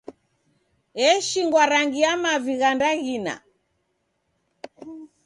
Eshingwa rangi ya mavi gha ndaghina.